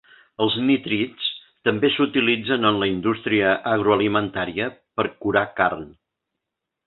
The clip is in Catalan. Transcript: Els nitrits també s'utilitzen en la industria agroalimentària per curar carn.